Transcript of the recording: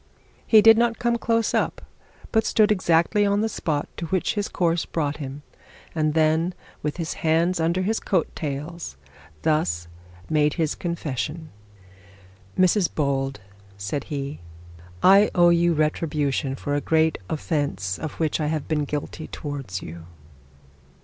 He did not come close up, but stood exactly on the spot to which his course brought him, and then, with his hands under his coat tails, thus made a confession. 'Mrs Bold,' said he, 'I owe you retribution for a great offence of which I have been guilty towards you.'